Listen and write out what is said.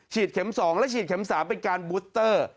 เชียดเข็ม๒และเชียดเข็ม๓เป็นการบุสเตอร์